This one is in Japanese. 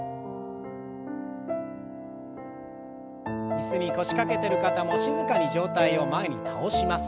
椅子に腰掛けてる方も静かに上体を前に倒します。